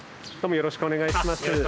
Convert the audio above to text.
よろしくお願いします。